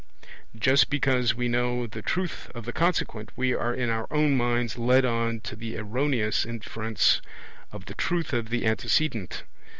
Just because we know the truth of the consequent, we are in our own minds led on to the erroneous inference of the truth of the antecedent.